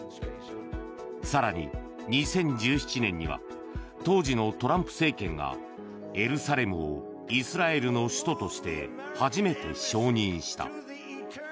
更に２０１７年には当時のトランプ政権がエルサレムをイスラエルの首都として初めて承認した。